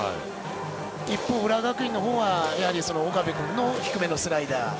一方、浦和学院のほうは岡部君の低めのスライダー。